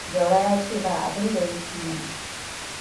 Jauro ya ce ba abinda yake yi.